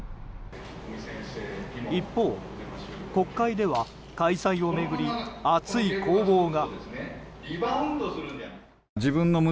一方、国会では開催を巡り熱い攻防が。